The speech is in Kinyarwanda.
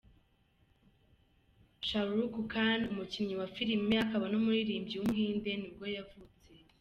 Shahrukh Khan, umukinnyi wa filime akaba n’umuririmbyi w’umuhinde nibwo yavutse.